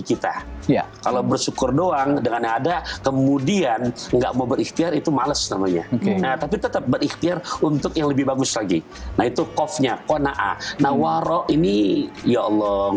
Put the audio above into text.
kita kalau bersyukur doang dengan lihatnya slipped i got hebben nih n